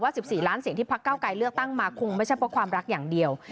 ๑๔ล้านเสียงที่พักเก้าไกรเลือกตั้งมาคงไม่ใช่เพราะความรักอย่างเดียว